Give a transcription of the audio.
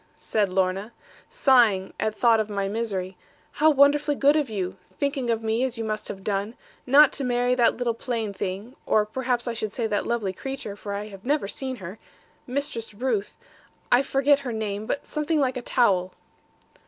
said Lorna, sighing at thought of my misery: 'how wonderfully good of you, thinking of me as you must have done, not to marry that little plain thing (or perhaps I should say that lovely creature, for I have never seen her), Mistress Ruth I forget her name; but something like a towel.'